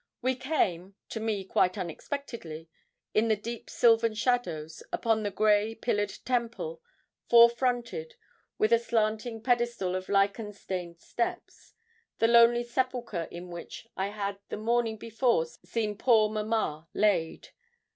We came, to me quite unexpectedly, in the deep sylvan shadows, upon the grey, pillared temple, four fronted, with a slanting pedestal of lichen stained steps, the lonely sepulchre in which I had the morning before seen poor mamma laid.